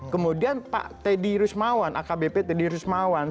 kemudian pak teddy rusmawan akbp teddy rusmawan